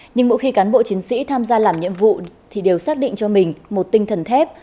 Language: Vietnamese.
nhưng mỗi khi cán bộ chiến sĩ tham gia làm nhiệm vụ thì đều xác định cho mình một tinh thần thép